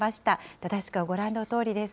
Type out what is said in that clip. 正しくはご覧のとおりです。